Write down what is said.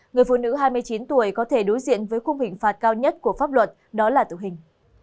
người phụ nữ hai mươi chín tuổi có thể đối diện với khung hình phạt cao nhất của pháp luật đó là tử hình